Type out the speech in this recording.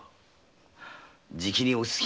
じきに落ち着きますよ。